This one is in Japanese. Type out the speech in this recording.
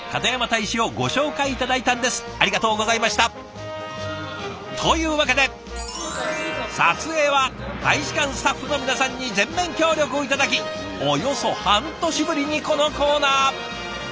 ありがとうございました！というわけで撮影は大使館スタッフの皆さんに全面協力を頂きおよそ半年ぶりにこのコーナー！